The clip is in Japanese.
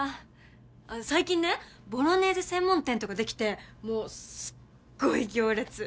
最近ねボロネーゼ専門店とかできてもうすっごい行列。